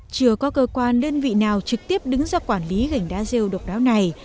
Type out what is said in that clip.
chưa có cơ quan đơn vị nào trực tiếp đứng ra quản lý gảnh đá rêu độc đáo này